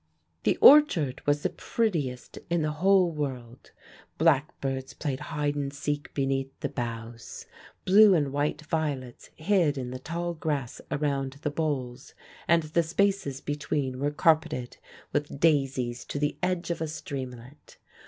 The orchard was the prettiest in the whole world. Blackbirds played hide and seek beneath the boughs, blue and white violets hid in the tall grass around the boles, and the spaces between were carpeted with daisies to the edge of a streamlet.